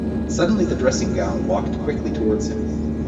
Suddenly the dressing-gown walked quickly towards him.